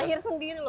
lahir sendiri loh